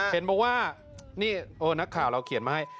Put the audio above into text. เห็นบอกว่านี่นักข่าวเราเขียนมาให้